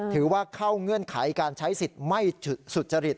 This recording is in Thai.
ถือว่าเข้าเงื่อนไขการใช้สิทธิ์ไม่สุจริต